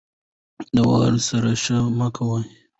ـ د واړه سره ښه مه کوه ،